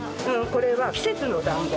これは季節のだんご。